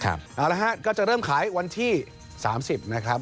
เอาละฮะก็จะเริ่มขายวันที่๓๐นะครับ